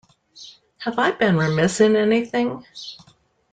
Have I been remiss in anything?